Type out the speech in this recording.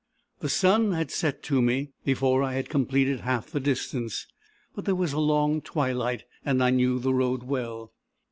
The sun had set to me, before I had completed half the distance. But there was a long twilight, and I knew the road well.